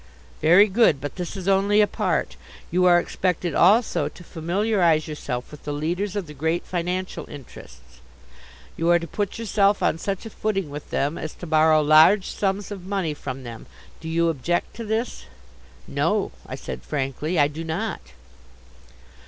"Very good. But this is only a part. You are expected also to familiarize yourself with the leaders of the great financial interests. You are to put yourself on such a footing with them as to borrow large sums of money from them. Do you object to this?" "No," I said frankly, "I do not."